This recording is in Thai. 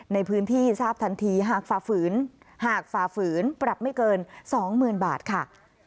ในพื้นที่ทราบทันทีหากฝ่าฝืนหากฝ่าฝืนปรับไม่เกิน๒๐๐๐บาทค่ะ